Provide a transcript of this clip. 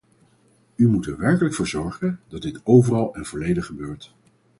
U moet er werkelijk voor zorgen dat dit overal en volledig gebeurt!